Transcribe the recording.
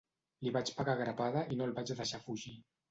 Li vaig pegar grapada i no el vaig deixar fugir.